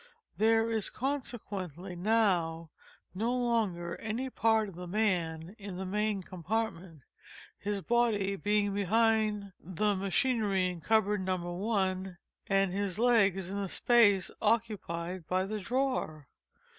{*4} There is, consequently, now no longer any part of the man in the main compartment—his body being behind the machinery in cupboard No. 1, and his legs in the space occupied by the drawer.